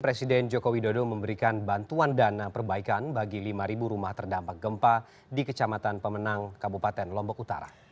presiden joko widodo memberikan bantuan dana perbaikan bagi lima rumah terdampak gempa di kecamatan pemenang kabupaten lombok utara